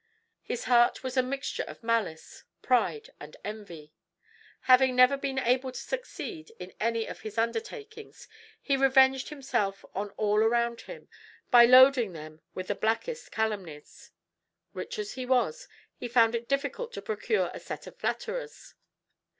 His heart was a mixture of malice, pride, and envy. Having never been able to succeed in any of his undertakings, he revenged himself on all around him by loading them with the blackest calumnies. Rich as he was, he found it difficult to procure a set of flatterers.